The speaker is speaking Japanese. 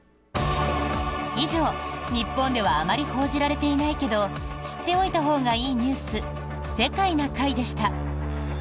以上、日本ではあまり報じられていないけど知っておいたほうがいいニュース「世界な会」でした。